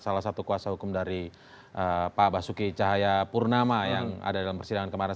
salah satu kuasa hukum dari pak basuki cahaya purnama yang ada dalam persidangan kemarin